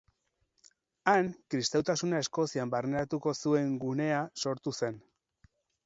Han, kristautasuna Eskozian barneratuko zuen gunea sortu zen.